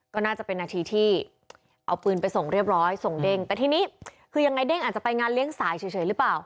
ก็น่าจะเป็นนาทีที่เอาปืนไปส่งเรียบร้อยส่งเด้งแต่ทีนี้คือยังไงเด้งอาจจะไปงานเลี้ยงสายเฉยหรือเปล่า